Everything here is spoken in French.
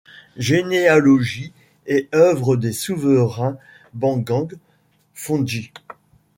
Généalogie et œuvre des souverains Bangang-Fondji.